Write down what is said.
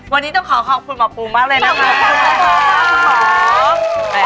วันนี้ต้องขอขอบคุณหมอปูมากเลยนะค่ะ